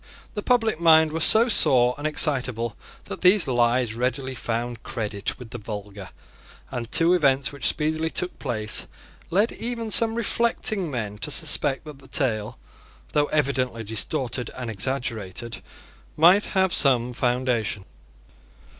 The public mind was so sore and excitable that these lies readily found credit with the vulgar; and two events which speedily took place led even some reflecting men to suspect that the tale, though evidently distorted and exaggerated, might have some foundation.